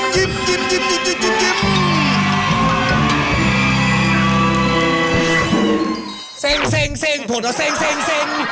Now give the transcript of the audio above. เซงเซงเซงพวกเราเซงเซงเซง